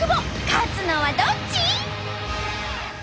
勝つのはどっち！？